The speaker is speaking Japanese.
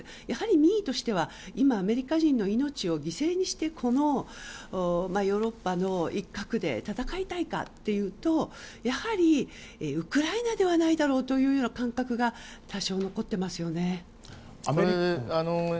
やはり民意としてはアメリカ人の命を犠牲にしてヨーロッパの一角で戦いたいかというとやはりウクライナではないだろうという感覚が多少残っていますよね。